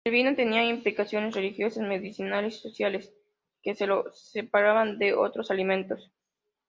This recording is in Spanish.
El vino tenía implicaciones religiosas, medicinales y sociales que lo separaban de otros alimentos.